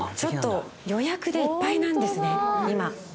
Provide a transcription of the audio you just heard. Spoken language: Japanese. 予約でいっぱいなんですね。